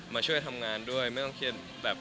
มาช่วยทำงานด้วยไม่ต้องเครียดแบบ